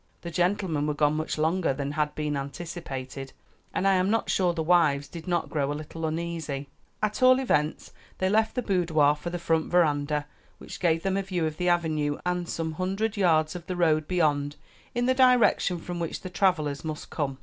The gentlemen were gone much longer than had been anticipated, and I am not sure the wives did not grow a little uneasy. At all events they left the boudoir for the front veranda, which gave them a view of the avenue and some hundred yards of the road beyond in the direction from which the travelers must come.